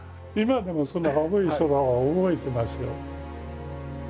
今でもその青い空は覚えてますよ。